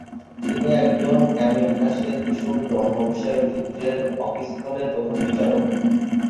তিনি একজন আমেরিকাসে যিশুর জন্মবিষয়ক চিত্রের অকিস্থলের প্রধান প্রচারক।